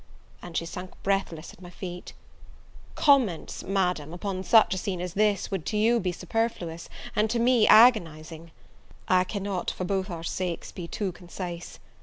and she sunk breathless at my feet. Comments, Madam, upon such a scene as this, would to you be superfluous, and to me agonizing: I cannot, for both our sakes, be too concise.